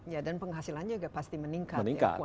ya dan penghasilannya juga pasti meningkat ya